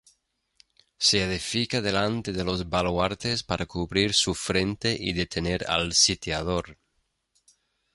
Se edifica delante de los baluartes para cubrir su frente y detener al sitiador.